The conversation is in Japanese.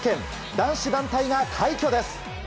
男子団体が快挙です！